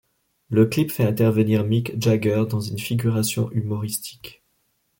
Le clip fait intervenir Mick Jagger dans une figuration humoristique.